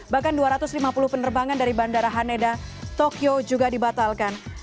bahkan dua ratus lima puluh penerbangan dari bandara haneda tokyo juga dibatalkan